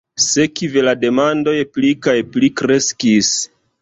Sekve la demandoj pli kaj pli kreskis.